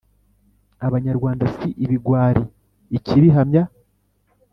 Abanyarwanda si ibigwari Ikibihamya